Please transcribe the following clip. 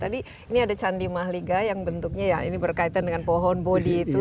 tadi ini ada candi mahliga yang bentuknya ya ini berkaitan dengan pohon bodi itu